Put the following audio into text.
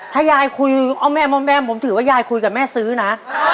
ถ้ายายคุยเอาแม่ผมถือว่ายายคุยกับแม่ซื้อนะ